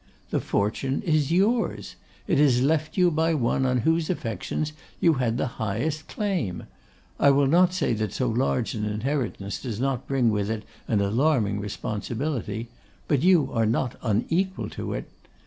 The fortune is yours. It is left you by one on whose affections you had the highest claim. I will not say that so large an inheritance does not bring with it an alarming responsibility; but you are not unequal to it.